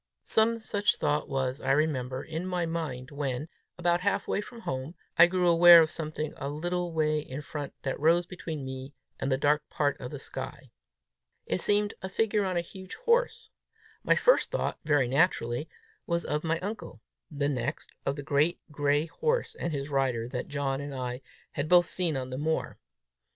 Some such thought was, I remember, in my mind, when, about halfway from home, I grew aware of something a little way in front that rose between me and a dark part of the sky. It seemed a figure on a huge horse. My first thought, very naturally, was of my uncle; the next, of the great gray horse and his rider that John and I had both seen on the moor.